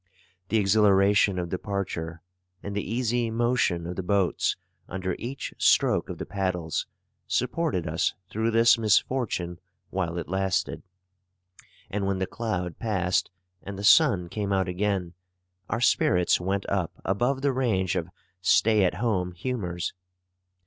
The exhilaration of departure, and the easy motion of the boats under each stroke of the paddles, supported us through this misfortune while it lasted; and when the cloud passed and the sun came out again, our spirits went up above the range of stay at home humours.